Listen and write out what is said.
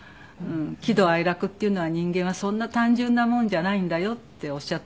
「喜怒哀楽っていうのは人間はそんな単純なもんじゃないんだよ」っておっしゃったんですよ。